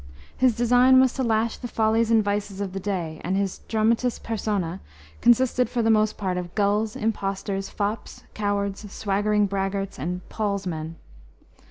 His design was to lash the follies and vices of the day, and his dramatis persona consisted for the most part of gulls, impostors, fops, cowards, swaggering braggarts, and "Pauls men."